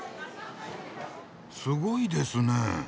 すごいですねえ。